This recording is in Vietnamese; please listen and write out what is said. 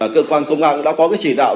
cơ quan công an đã có cái chỉ đạo